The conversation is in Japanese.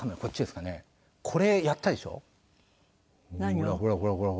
ほらほらほらほら。